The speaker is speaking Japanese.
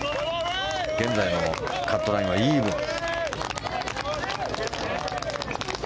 現在のカットラインはイーブン。